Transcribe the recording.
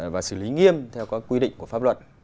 và xử lý nghiêm theo các quy định của pháp luật